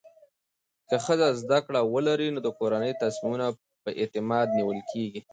که ښځه زده کړه ولري، نو د کورنۍ تصمیمونه په اعتماد نیول کېږي.